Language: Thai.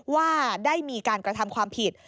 ว่าได้มีการกระทำความผิด